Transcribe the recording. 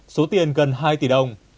số tiền gần hai tỷ đồng